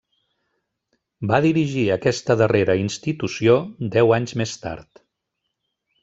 Va dirigir aquesta darrera institució deu anys més tard.